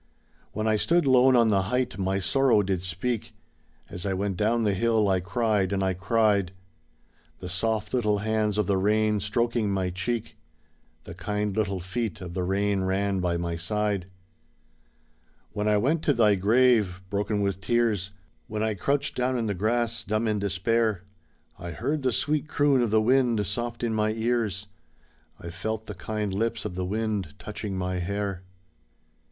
When I stood lone on the height my sorrow did speak, As I went down the hill, I cried and I cried. The soft little hands of the rain stroking my cheek, The kind little feet of the rain ran by my side. When I went to thy grave, broken with tears, When I crouched down in the grass, dumb in despair, I heard the sweet croon of the wind soft in my ears, I felt the kind lips of the wind touching my hair.